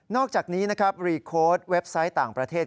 อกจากนี้นะครับรีโค้ดเว็บไซต์ต่างประเทศ